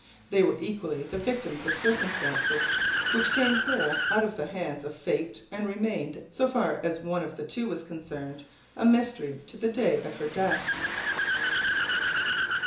They were equally the victims of circumstances, which came whole out of the hands of fate and remained, so far as one of the two was concerned, a mystery to the day of her death.